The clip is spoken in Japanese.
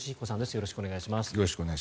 よろしくお願いします。